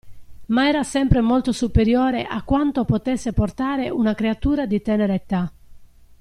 Ma era sempre molto superiore a quanto potesse portare una creatura di tenera età.